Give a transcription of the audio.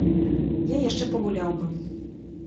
Я яшчэ пагуляў бы.